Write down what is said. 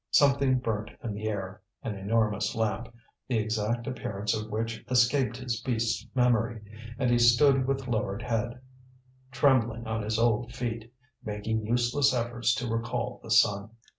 Something burnt in the air an enormous lamp, the exact appearance of which escaped his beast's memory and he stood with lowered head, trembling on his old feet, making useless efforts to recall the sun.